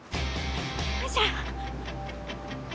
よいしょ。